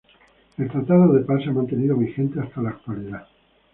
El tratado de paz se ha mantenido vigente hasta la actualidad.